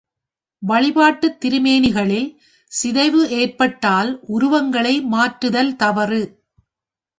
வழிபாட்டுத் திருமேனிகளில் சிதைவு ஏற்பட்டால் உருவங்களை மாற்றுதல் தவறு.